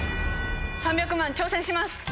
３００万挑戦します！